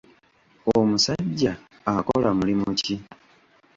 Omusajja akola mulimu ki?